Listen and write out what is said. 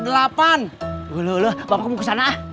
walaulah bapak mau kesana